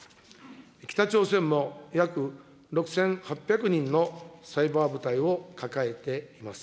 北朝鮮も約６８００人のサイバー部隊を抱えています。